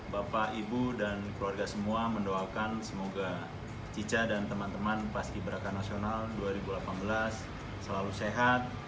bapak ibu dan keluarga semua mendoakan semoga cica dan teman teman paski beraka nasional dua ribu delapan belas selalu sehat